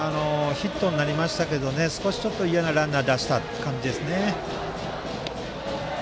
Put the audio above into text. ヒットになりましたけども少しいやなランナーを出した感じでしたね。